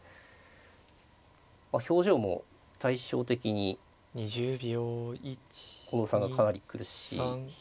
表情も対称的に近藤さんがかなり苦しい。